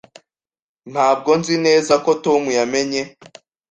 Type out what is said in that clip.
Ntabwo nzi neza ko Tom yamenye.